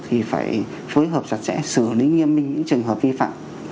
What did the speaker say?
thì phải phối hợp sạch sẽ xử lý nghiêm minh những trường hợp vi phạm